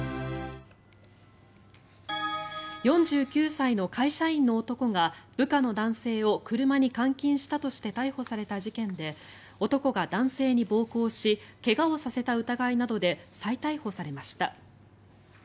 ４９歳の会社員の男が部下の男性を車に監禁したとして逮捕された事件で男が男性に暴行し怪我をさせた疑いなどで再逮捕されました。